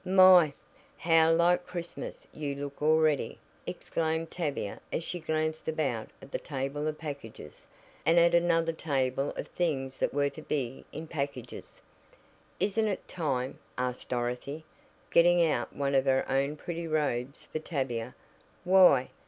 "My, how like Christmas you look already!" exclaimed Tavia as she glanced about at the table of packages, and at another table of things that were to be in packages. "Isn't it time?" asked Dorothy, getting out one of her own pretty robes for Tavia. "Why?